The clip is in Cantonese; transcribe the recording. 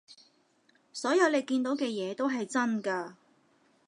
所有你見到嘅嘢都係真㗎